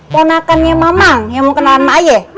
ponakannya mamang yang mau kenal sama ayah